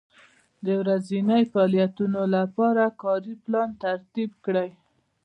د ورځنیو فعالیتونو لپاره کاري پلان ترتیب کړئ.